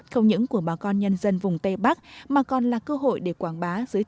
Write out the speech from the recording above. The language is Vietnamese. không những của bà con nhân dân vùng tây bắc mà còn là cơ hội để quảng bá